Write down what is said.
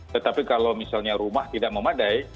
tetapi kalau misalnya rumah tidak memadai